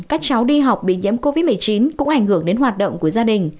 các cháu đi học bị nhiễm covid một mươi chín cũng ảnh hưởng đến hoạt động của gia đình